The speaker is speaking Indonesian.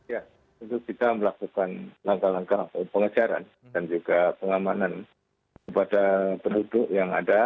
ya tentu kita melakukan langkah langkah pengejaran dan juga pengamanan kepada penduduk yang ada